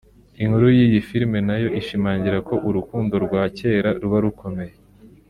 Inkuru y’iyi filime nayo ishimangira ko urukundo rwa kera ruba rukomeye